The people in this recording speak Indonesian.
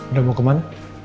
udah mau kemana